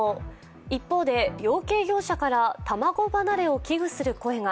一方で養鶏業者から卵離れを危惧する声が。